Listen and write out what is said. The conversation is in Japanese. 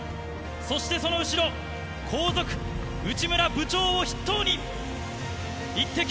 そしてその後ろ、後続、内村部長を筆頭に、イッテＱ！